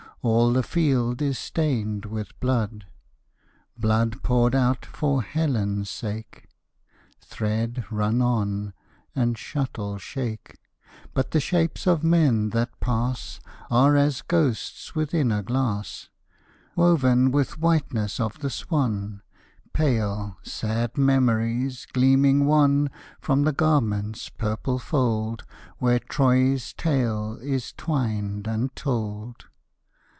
All the field is stained with blood. Blood poured out for Helen's sake; (Thread, run on; and, shuttle, shake!) But the shapes of men that pass Are as ghosts within a glass, Woven with whiteness of the swan, Pale, sad memories, gleaming wan From the garment's purple fold Where Troy's tale is twined and told.